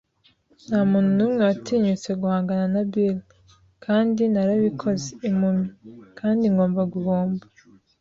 Ntamuntu numwe watinyutse guhangana na Bill, kandi narabikoze - impumyi! Kandi ngomba guhomba